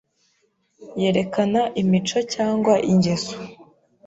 yerekana imico cyangwa ingeso